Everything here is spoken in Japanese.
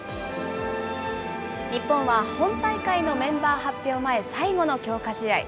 日本は本大会のメンバー発表前、最後の強化試合。